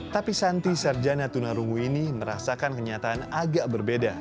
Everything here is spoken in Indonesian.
tapi santi sarjana tunarungu ini merasakan kenyataan agak berbeda